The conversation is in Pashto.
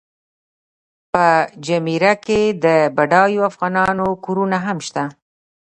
په جمیره کې د بډایو افغانانو کورونه هم شته.